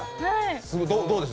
どうです？